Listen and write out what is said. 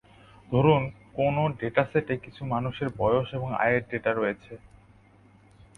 ধরুন কোন ডেটাসেটে কিছু মানুষের বয়স এবং আয়ের ডেটা রয়েছে।